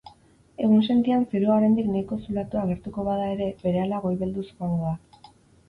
Egunsentian zerua oraindik nahiko zulatuta agertuko bada ere, berehala goibelduz joango da.